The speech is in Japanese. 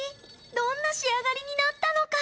どんな仕上がりになったのか？